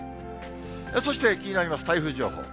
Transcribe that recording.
そして、気になります台風情報。